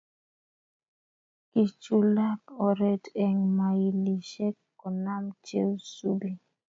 Kichulak oret eng mailishek konom cheisubi